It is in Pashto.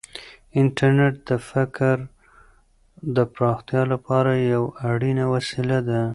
انټرنیټ د فکر د پراختیا لپاره یوه اړینه وسیله ده.